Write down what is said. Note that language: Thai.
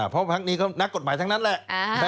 เพราะพักนี้ก็นักกฎหมายทั้งนั้นแหละ